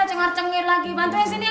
cengar cengir lagi bantuin sini